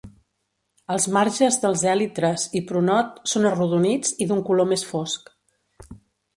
Els marges dels èlitres i pronot són arrodonits i d'un color més fosc.